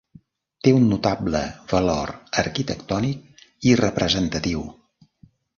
Té un notable valor arquitectònic i representatiu.